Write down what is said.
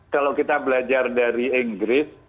kalau kita belajar dari inggris